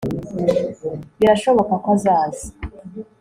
Birashoboka ko azaza